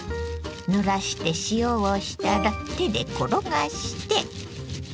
ぬらして塩をしたら手で転がして。